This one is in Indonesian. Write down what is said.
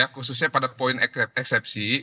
khususnya pada poin eksepsi